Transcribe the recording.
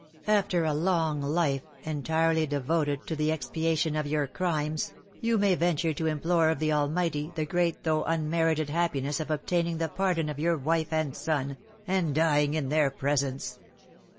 After a long life, entirely devoted to the expiation of your crimes, you may venture to implore of the Almighty the great though unmerited happiness of obtaining the pardon of your wife and son, and dying in their presence."